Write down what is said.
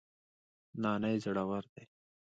نانی زړور دی